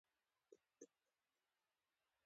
احمدشاه بابا به د علماوو درناوی کاوه.